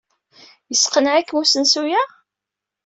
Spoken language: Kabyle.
Yesseqneɛ-ikem usensu-a?